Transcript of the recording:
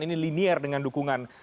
ini linear dengan dukungan